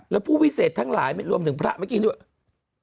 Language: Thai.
แล้วผู้วิเศษทั้งหลายรวมถึงพระเมื่อกี้ด้วย